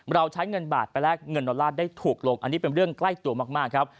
เราใช้เงินบาทไปแลกเงินดอลลาร์ได้ถูกลงอันนี้เป็นเรื่องใกล้ตัวมากครับ